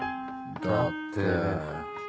だって。